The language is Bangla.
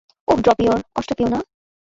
ওহ, ড্রপিয়র, কষ্ট পেয়ো না।